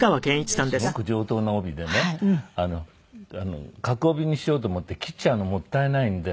これすごく上等な帯でね角帯にしようと思って切っちゃうのもったいないんで。